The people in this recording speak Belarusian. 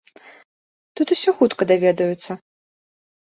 Тут усё хутка даведаюцца.